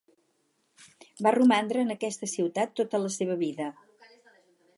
Va romandre en aquesta ciutat tota la seva vida.